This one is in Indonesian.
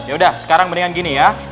yaudah sekarang mendingan gini ya